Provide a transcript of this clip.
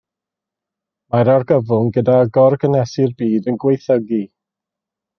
Mae'r argyfwng gyda gorgynhesu'r byd yn gwaethygu.